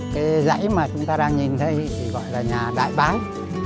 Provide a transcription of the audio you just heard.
cái dãy mà chúng ta đang nhìn thấy thì gọi là nhà đại bái